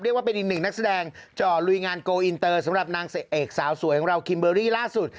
ว่าเป็นอีกหนึ่งนักแสดงจ่อลุยงานโกลอินเตอร์สำหรับนางเอกสาวสวยของเราคิมเบอร์รี่ล่าสุด